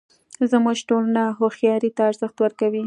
زموږ ټولنه هوښیارۍ ته ارزښت ورکوي